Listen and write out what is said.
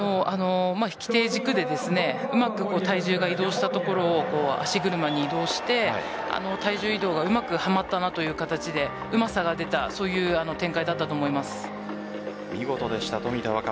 引き手を軸にうまく体重が移動したところを足車に移動して体重移動がうまくはまったという形でうまさが出た冨田若春、見事でした。